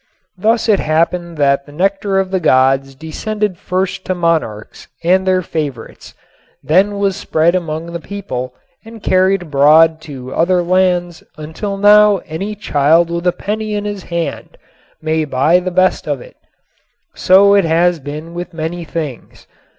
Thus it happened that the nectar of the gods descended first to monarchs and their favorites, then was spread among the people and carried abroad to other lands until now any child with a penny in his hand may buy of the best of it. So it has been with many things.